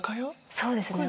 そうですね。